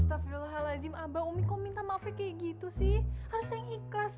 tu tuh taruh aja deh ama pemilihan yang kamu suka sama santina bayi